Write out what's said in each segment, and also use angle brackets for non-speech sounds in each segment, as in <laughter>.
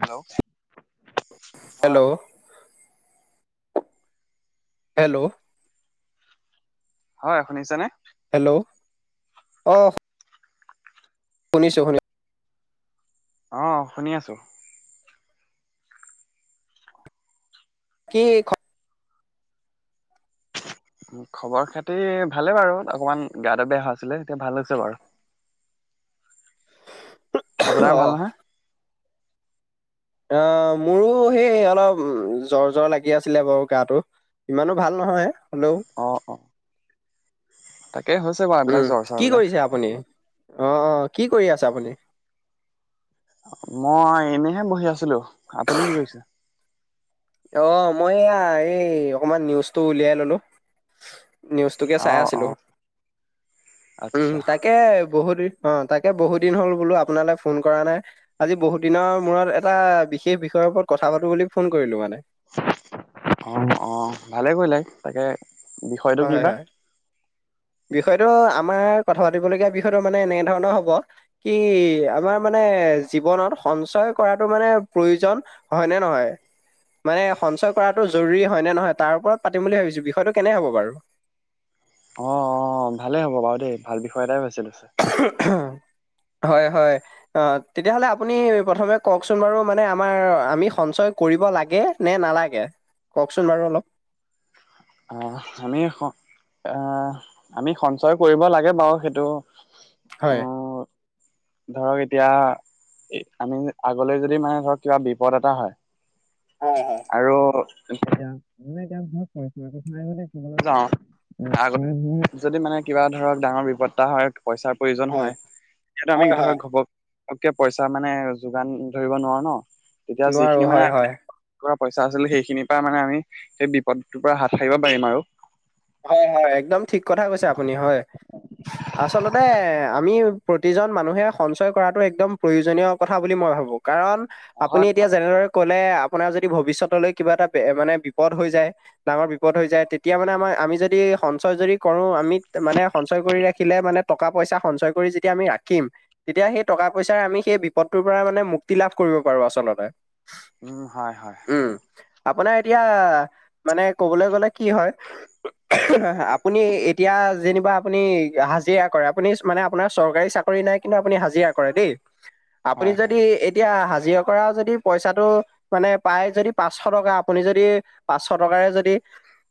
Hello হয়। Hello hello? হয়, শুনিছে নে? অফ শুনিছো শুনি অ' শুনি আছো। কি খবৰ খাতি ভালে বাৰু, অকমান গা বেয়া হোৱা আছিলে তেতিয়া ভাল হৈছে বাৰু। <inaudible> আপোনাৰ ভাল নহয়? অঁহ মোৰো সেই অলপ জ্বৰ জ্বৰ লাগি আছিলে বাৰু গাটো। ইমানো ভাল নহয়। হ'লেও অঁ অঁ। উম কি কৰিছে আপুনি? অ অ কি কৰি আছে আপুনি? মই এনেইহে বহি আছিলো, আপুনি কি কৰিছে? অ মই এইয়া এই অকমান নিউজটো উলিয়াই ললো। নিউজটোকে চাই অ' আছিলো, অ' উম আচ্ছা তাকে বহুত দিন অ তাকে বহুত দিন হ'ল বোলো আপোনালৈ ফোন কৰা নাই, আজি বহুত দিনৰ মূৰত এটা বিশেষ বিষয়ৰ ওপৰত কথা পাতো বুলি ফোন কৰিলো মানে। অ' অ' ভালেই কৰিলাই, তাকে বিষয়টো কি হয় বা? হয়, বিষয়টো আমাৰ কথা পাতিবলগীয়া বিষয়তো মানে এনে ধৰণৰ হব, কি আমাৰ মানে জীৱনত সঞ্চয় কৰাটো মানে প্ৰয়োজন হয় ন নহয়? মানে সঞ্চয় কৰাতটো জৰুৰী হয় নে নহয় তাৰ ওপৰত পাতিম বুলি ভাবিছো, বিষয়টো কেনে হ'ব বাৰু। <unintelligible> অ' অ' ভালেই হ'ব বাৰু দেই, ভাল বিষয় এটাই ভ হ <unintelligible> হয় হয়, অ', তেতিয়াহলে আপুনি প্ৰথমে কওঁকচোন বাৰু মানে আমাৰ আমি সঞ্চ কৰিব লাগে নে নালাগে কওঁকচোন বাৰু অলপ। অ আমি অ আমি সঞ্চয় কৰিব লাগে বাৰু, সেইটো হয়। উম ধৰক এতিয়া আমি আগলৈ যদি মানে ধৰক কিবা বিপদ এটা হয় হয় হয়। আৰু এতিয়া মানে এতিয়াাল <unintelligible> লৈ যাওঁ আগতে যদি মানে কিবা ধৰক ডাঙৰ বিপত্তা হয় <unintelligible> পইচাৰ প্ৰয়োজন হয় তেতিয়াতো আমি হয় হয় ধৰক ঘপক কে পইচা মানে যোগান ধৰিব নোৱাৰো ন, তেতিয়া নোৱাৰো যিখিনি মানে হয় হয়। পইচা আছিল সেইখিনিৰ পৰা মানে আমি সেই বিপদটোৰ পৰা হাত সাৰিব পাৰিম আৰু। হয় হয় একদম ঠিক কথা কৈছে আপুনি হয়। আচলতে আমি প্ৰতিজন মানুহে সঞ্চয় কৰাটো একদম প্ৰয়োজনীয় কথা বুলি মই ভাবোঁ। কাৰণ আপুনি হয় এতিয়া হয় যেনেদৰে ক'লে আপোনাৰ যদি ভৱিষ্যতলৈ কিবা এটা মানে বিপদ হৈ যায় ডাঙৰ বিপদ হৈ যায় তেতিয়া মানে আমাৰ আমি যদি সঞ্চয় যদি কৰো আমিত মানে সঞ্চয় কৰি ৰাখিলে মানে টকা পইচা সঞ্চয় কৰি যদি আমি ৰা খিম, তেতিয়া সেই টকা পইচাৰ আমি সেই বিপদটোৰ পৰা মানে মুক্তি লাভ কৰিব পাৰো আচলতে। উম হয় হয়। উম, আপোনাৰ এতিয়া মানে ক'বলৈ গলে কি হয় হয় হয় আপুনি এতিয়া যেনিবা আপুনি হাজিৰা কৰে, আপুনি মানে আপোনাৰ চৰকাৰী চাকৰি নাই, কিন্ত আপুনি হাজিৰা কৰে দে', আপুনি হয় হয় যদি এতিয়া হাজি জিৰা কৰা যদি পইচাটো মানে পায় যদি পাঁচশ টকা আপুনি যদি পাঁচশ টকাৰে যদি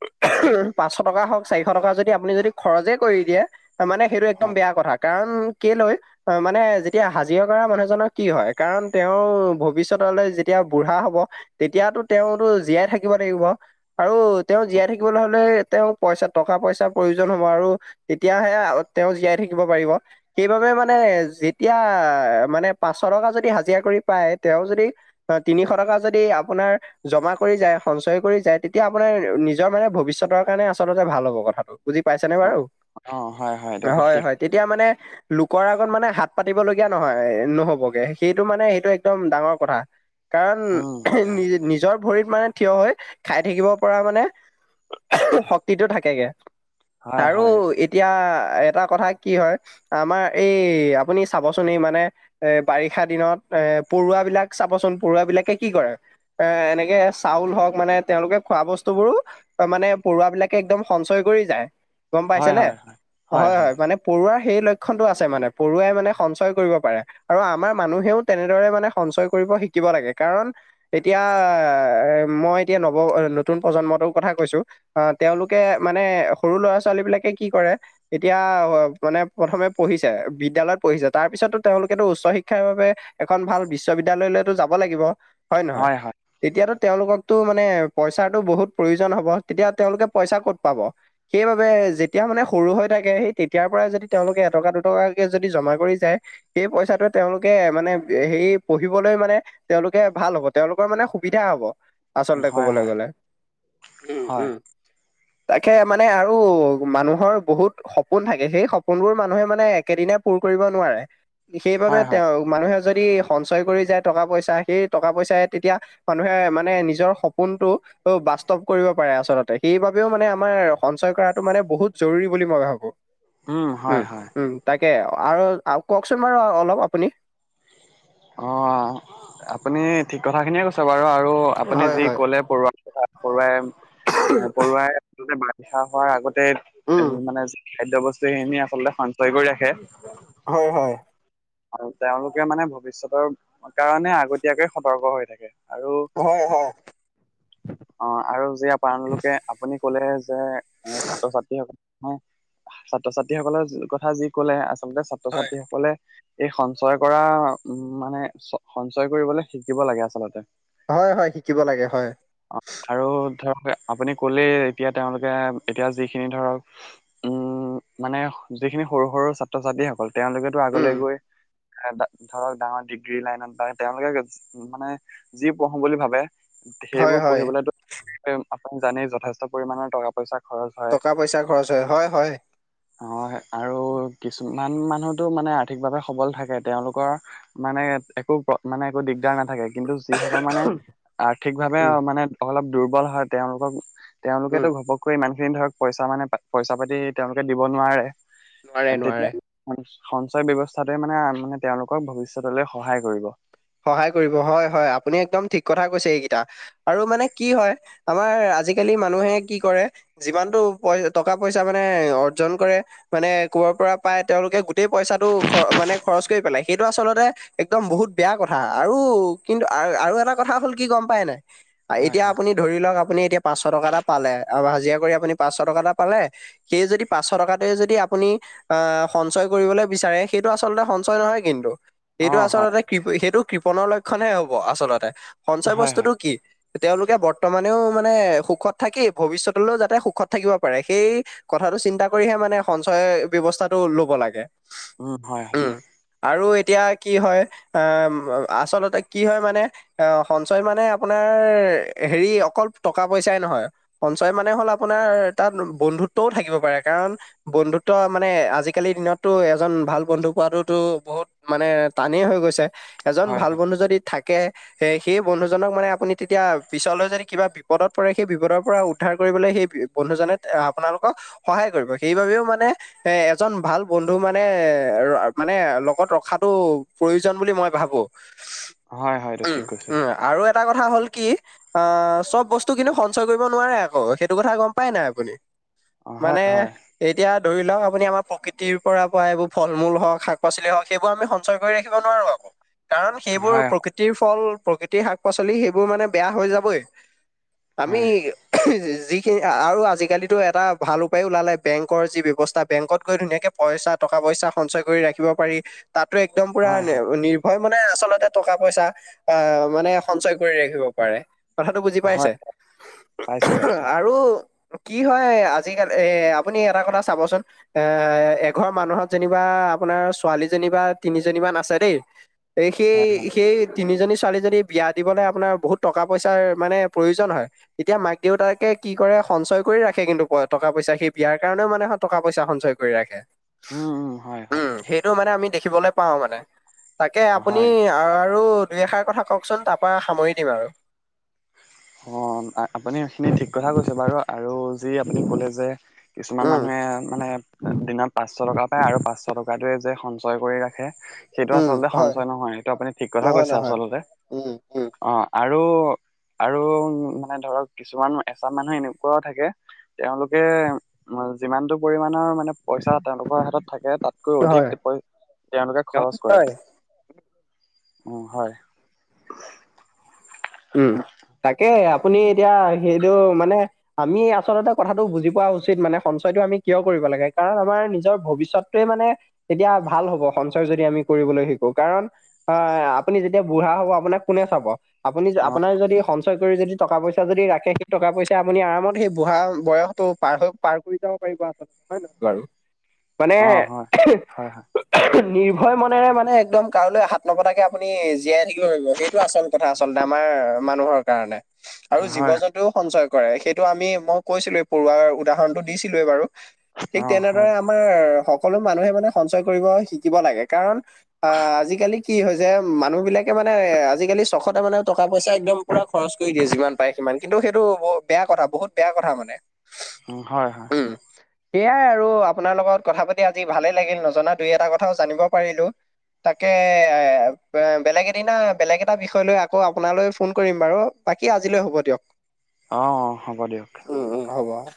উ <unintelligible> পাঁচশ টকা হওঁক, চাৰিশ টকা যদি আপুনি যদি খৰজে কৰি দিয়ে তামানে সেটো একদম হয় বেয়া কথা কাৱণ উ কেলৈ অ' মানে যেতিয়া হাজিৰা কৰা মানুহজনৰ কি হয়, কাৰণ তেওঁ ভৱিষ্যতলৈ যেতিয়া বুঢ়া হ'ব তেতিয়াতো তেওঁটো জীয়াই থাকিব লাগিব আৰু তেওঁ জীয়াই থাকিবলৈ হ'লে তেওঁ পইচা, টকা পইচা প্ৰয়োজন হ'ব আৰু তেতিয়াহে তেওঁ জীয়াই থাকিব পাৰিব। সেইবাবে মানে যেতিয়া মানে পাঁচশ টকা যদি হাজিৰা কৰি পায়, তেওঁ যদি তিনি শ টকা যদি আপোনাৰ জমা কৰি যায়, সঞ্চয় কৰি যায়, তেতিয়া আপোনাৰ নিজৰ মানে ভৱিষ্যতৰ মানে আচলতে ভাল হ'ব কথাটো, বুজি পাইছেনে অ বাৰু? অ হয় দিয়ক হয়, ঠিক হয় তেতিয়া মানে লোকৰ আগত মানে হাত পাতিব লগীয়া নহয়, নহ'বগে। সেইটো মানে হেটো একদম ডাঙৰ কথা। কাৰণ উম নি নিজৰ ভৰিত মানে থিয় হৈ খাই থাকিব পৰা মানে শক্তিটো থাকেগে, হয় হয় আৰু হয় এতিয়া এটা কথা কি হয় আমাৰ এই আপুনি চাবচোন এই মানে এ বাৰিষা দিনত এ পৰুৱাবিলাক চাবচোন পৰুৱাবিলাকে কি কৰে এ এনেকে চাউল হওক মানে তেওঁলোকে খোৱা বস্তু বোৰো মানে পৰুৱা বিলাকে একদম সঞ্চয় কৰি যায়। গম পাইছে হয় ন হয় হয় হয় হয় মানে পৰুৱাৰ সেই লক্ষণতটো আছে মানে পৰুৱাই মানে সঞ্চয় কৰিব পাৰে, আৰু আমাৰ মানুহেও তেনেদৰে মানে সঞ্চয় কৰিব শিকিব লাগে। কাৰণ এতিয়া মই এতিয়া নৱ নতুন প্ৰজন্মটোৰ কথা কৈ ছো অ' তেওঁলোকে মানে সৰু ল'ৰা-ছোৱালী বিলাকে কি কৰে, এতিয়া মানে প্ৰথমে পঢ়ি পিছে আৰু বিদ্যালয়ত পঢ়িছে, তাৰ পিছতো তেওঁলোকেটো উচ্চ শিক্ষাৰ বাবে এখন ভাল বিশ্ববিদ্যালয়লৈতো যাব লাগিব। হয় নহয়? তেতিয়াতো তেওঁলোককতো মানে পইচাৰটো বহুত প্ৰয়োজন হ'ব তেতিয়া তেওঁলোকে পইচা ক'ত পাব, সেইবাবে যেতিয়া মানে সৰু হৈ থাকে সেই তেতিয়াৰ পৰাই যদি তেওঁলোকে এটকা দু দুটকাকে যদি জমা কৰি যায়, সেই পইচাটো তেওঁলোকে মানে হেই পঢ়িবলৈ মানে তেওঁলোকে ভাল হ'ব, তেওঁলোকৰ মানে সুবিধা হ'ব আচলতে ক'বলৈ হয় গ'লে। উ, উ। হয় <inaudible> তাকে মানে আৰু মানুহৰ বহুত সপোন থাকে, হেই সপোনবোৰ মানুহে মানে একেদিনা পূৰ কৰিব নোৱাৰে। সেইবাবে হয় হয় তেওঁ, মানুহে যদি সঞ্চয় কৰি যায় টকা পইচা, সেই টকা পইচাই তেতিয়া মানুহে মানে নিজৰ সপোনটো অ' বাস্তৱ কৰিব পাৰে আচলতে। সেইবাবেও মানে আমাৰ সঞ্চয় কৰাটো মানে বহুত জৰুৰী বুলি মই ভাবোঁ। উ হয়, হয়। তে আৰু, আও কওঁকচোন বাৰু অলপ আপুনি। অ' আপুনি ঠিক কথাখিনিয়ে কৈছে। বাৰু আৰু আপুনি হয়, যি হয়, ক'লে পৰুৱা কথা পৰুৱাই, আ পৰুৱাই আচলতে বা ৰিষা হোৱাৰ আগতে উ উম, মানে খাদ্য বস্তুখিনি আচলতে সঞ্চয় কৰি ৰাখে। হয়, হয়। আৰু তেওঁলোকে মানে ভৱিষ্যতৰ কাৰণে আগতিয়াকে সতৰ্ক হৈ থাকে। আৰু হয়, হয়। অ' আৰু যে আপানালোকে, আপুনি ক'লে যে এ ছাত্ৰ-ছাত্ৰীস, ছাত্ৰ-ছাত্ৰীসকলে যি কথা যি ক'লে আচ আচলতে হয়, ছাত্ৰ-ছাত্ৰীসকলে এই সঞ্চয় কৰা উ মানে চ-সঞ্চয় কৰিবলৈ শিকিব লাগে আচলতে। হয়, হয় শিকিব লাগে হয়। অ আৰু ধৰক আপুনি ক'লেই এতিয়া তেওঁলোকে এতিয়া যিখিনি ধৰক উ মানে যিখিনি সৰু সৰু ছাত্ৰ-ছাত্ৰীসকল তেওঁলোকেতো উম, আগলৈ গৈ আ ধ-ধৰক ডাঙৰ ডিগ্ৰী লাইনত বা তেওঁলোকে মানে যি পঢ়ো বুলি ভাবে হয়, সেইবোৰ হয়, পঢ়িবলেটো আপুনি জানেই যথেষ্ট পৰিমানৰ টকা পইচা খৰচ হয়। টকা পইচা খৰচ হয়, হয়, হয়। অ' আৰু কিছুমান মানুহতো মানে আৰ্থিকভাৱে সবল থাকে, তেওঁলোকৰ মানে একো মানে একো দিগদাৰ না থাকে কিন্তু যিসকল মানে আৰ্থিক ভাৱে উম, মানে অলপ দুৰ্বল হয় তেওঁলোকক উম, তেওঁলোকেতো ঘপকৈ ইমান খিনি ধৰক পইচা মানে পা, পইচা-পাতি তেওঁলোকে দিব নোৱাৰে। নোৱাৰে <unintelligible> নোৱাৰে তেতিয়াতো সঞ্চয় ব্যৱস্থাটোৱে মানে-মানে তেওঁলোকক ভৱিষ্যতলৈ সহায় কৰিব। সহায় কৰিব হয় হয় আপুনি একদম ঠিক কথা কৈছে এইকেইটা, আৰু মানে কি হয় আমাৰ আজিকালি মানুহে কি কৰে, যিমানটো পই টকা পইচা মানে অৰ্জন কৰে, মানে কবাৰ পৰা পাই তেওঁলোকে গোটেই পইচাটো খ মানে খৰচ কৰি পেলাই সেইটো আচলতে একদম বহুত বেয়া কথা আৰু, কিন্তু আৰু এটা কথা হ'ল কি গম পাই নে, হয় এতিয়া হয় আপুনি ধৰি লওক আপুনি এতিয়া পাচশ টকা এটা পালে হাজিৰা কৰি আপুনি পাঁচশ টকা এটা পালে, সেই যদি পচশ টকাটোৱে যদি আপুনি, আহ সঞ্চয় কৰিবলৈ বিচাৰে সেইটো আচলতে সঞ্চয় নহয় কিন্তু। অ সেইটো হয় আচলতে কৃ, সেইটো কৃপনৰ লক্ষণহে হ'ব আচলতে। সঞ্চয় হয় হয় বস্তুটো কি? তেওঁলোকে বৰ্তমানেও মানে সুখত থাকি ভৱিষ্যতলও যাতে সুখত থাকিব পাৰে সেই কথা চিন্তা কৰিহে মানে সঞ্চয় ব্যৱস্থাটোৰ ল'ব লাগে। উ হয়, হয়। উম আৰু এতিয়া কি হয়। আ আচলতে কি হয় মানে আ সঞ্চয় মানে আপোনাৰ হেৰি অকল টকা পইচাই নহয়, সঞ্চয় মানে হ'ল আপোনাৰ তাত বন্ধুত্বও থাকিব পাৰে কাৰণ বন ধুত্ব মানে আজিকালিৰ দিনততো এজন ভাল বন্ধু পোৱাটোতো বহুত মানে টানেই হৈ গৈছে। এজন হয় ভাল হয় বন্ধু যদি থাক কে সেই বন্ধুজনক মানে আপুনি তেতিয়া পিছলৈ যদি কিবা বিপদত পৰে সেই বিপদৰ পৰা উদ্ধাৰ কৰি কৰিবলৈ সেই বন্ধুজনে আপোনালোকক সহায় কৰিব সেই বাবেও মানে সে এজন ভাল বন্ধু মানে-মানে লগত ৰখাটো প্ৰয়োজন বুলি মই ভাবোঁ। হয় হয় এইটো উম, ঠিক কৈছে। উম, আৰু এ এটা কথা হ'ল কি, আহ চব বস্তু কিন্তু সঞ্চয় কৰিব নোৱাৰে আকৌ সেইটো কথা গম পাই নে আপুনি? অ' হয় মানে, হয় এতিয়া ধৰি লওক, আপুনি আমাৰ প্ৰকৃতিৰ পৰা এইবোৰ ফল মূল হওক শাক পচলি হওক সেইবোৰ আমি সঞ্চয় কৰি ৰাখিব <unintelligible> কাৰণ সেইবোৰ হয় প্ৰকৃতিৰ ফল প্ৰকৃতিৰ শাক পাচলি সেইবোৰ মানে বেয়া হৈ যাবই, আমি হয় যিখিনি আৰু আজিকালিতো এটা ভাল উপায় ওলালে বেংকৰ যি ব্যৱস্থা বেংকত গৈ ধুনীয়াকৈ পইচা ট পইচা সঞ্চয় কৰি ৰাখিব পাৰি তাতো একদম পুৰা হয় হয় নিৰ্ভৰ মানে আচলতে টকা পইচা আহ মানে সঞ্চয় কৰি ৰাখিব পাৰে। কথাটো বুজি পাইছে হয় পাইছো পাইছো আৰু কি হয় আজিকালি এ আপুনি এটা কথা চাবচোন এ এঘৰ মানুহত যেনিবা আপোনাৰ ছোৱালীজনী বা তিনিজনীমান আছে দেই, সেই হয় হয় সেই তিনিজনী ছোৱালী ছোৱালী যদি বিয়া দিবলৈ আপোনাৰ বহুত টকা পইচাৰ মানে প্ৰয়োজন হয় তেতিয়া মাক দেউতাকে কি কৰে সঞ্চয় কৰি ৰাখে কিন্তু টকা পইচা সি বিয়াৰ কাৰণেও মানে টকা পইচা সঞ্চয় কৰি ৰাখে। উম উম হয় হয়। উম সেইটো মানে আমি দেখিবলৈ পাও মানে, তাকে আপুনি হয় আৰু দুই এষাৰ কথা কওকচোন তাৰপ সামৰি দিম আৰু। অ আপুনি সেইখিনি ঠিক কথা কৈছে বাৰু আৰু যি আপুনি কলে যে কিছুমান উম মানুহে মানে দিনত পাঁচশ টকা পায় আৰু পাঁচশ টকাটোয়ে যে সঞ্চয় কৰি ৰাখে। সেইটো উম আচতে হয় সঞ্চয় নহয় এইটো আপুনি ঠিক কথা নহয় কৈছে নহয় আচতে উম উম অ আৰু আৰু মানে ধৰক কিছুমান এচা মানুহ এনেকুৱাও থাকে তেওঁলোকে যিমানটো পৰিমাণৰ মা মে পইচা তেওঁলোকৰ হাতত থাকে তাতকৈ হয় অধিক তেওঁলোকে খৰচ কৰে। হয় উ হয়। উম তাকে আপুনি এতিয়া সেইটো মানে আমি আচলতে কথাটো বুজি পোৱা উচিত মানে সঞ্চয়তটো আমি কিয় কৰিব লাগে কাৰণ আমাৰ নিজৰ ভৱিষ্যতোৱে মানে তেতিয়া ভাল হ'ব সঞ্চয় যদি আমি কৰিবলৈ শিকো কাৰণ আপুনি যেতিয়া বুঢ়া হব আপোনাক কোনে চাব? আপুনি অ আপোনাৰ যদি সঞ্চয় কৰি যদি টকা পইচা যদি ৰাখে সেই টকা পইচা আপুনি আৰামত সেই বুঢ়া বয়সতো পাৰ হৈ পাৰ কৰি যাব পাৰিব আচলতে হয় নে নহয় বাৰু। মানে অ হয় হয় <unintelligible> নিৰ্ভয় মনেৰে মানে একদম কাৰোলৈ হাত নপতাকে আপুনি জীয়াই থাকিব পাৰিব সেইটো আচল কথা। আচলতে আমাৰ মানুহৰ কাৰণে আৰু হয় জীৱ হয় জন্তুও সঞ্চয় কৰে সেইটো আমি মই কৈছিলোৱে পৰুৱাৰ উদাহৰণটো দিছিলোৱে বাৰু। ঠিক অ হয় তেনেদৰে আমাৰ সক সকলো মানুহে মানে সঞ্চয় কৰিব শিকিব লাগে, কাৰণ আহ আজিকালি কি হৈছে মানুহ বিলাক কে মানে আজিকালি তে মানে টকা পইচা একদম পুৰা খৰচ কৰি দিয়ে যিমান পাই সিমান কিন্তু সেইটো ব বেয়া কথা বহুত বেয়া কথা মানে হয় হয়। সেইয়াই আৰু আপোনাৰ লগত কথা পাতি আজি ভালে লাগিল নজনা দুই এটা কথাও জানিব পাৰিলো। তাকে এ বেলেগ এদিনা বেলেগ এটা বিষয় লৈ আকৌ আপোনালৈ ফোন কৰিম বাৰু বাকী আজিলৈ হ'ব দিয়ক। অঁ অঁ হ'ব দিয়ক উম উম হ'ব।